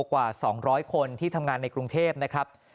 กว่า๒๐๐คนที่ทำงานในกรุงเทพนะครับ